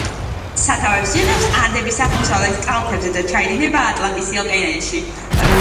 სათავეს იღებს ანდების აღმოსავლეთ კალთებზე და ჩაედინება ატლანტის ოკეანეში.